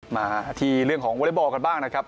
มาที่เรื่องของวอเล็กบอลกันบ้างนะครับ